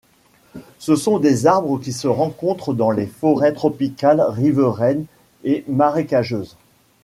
Ce sont des arbres qui se rencontrent dans les forêts tropicales riveraines et marécageuses.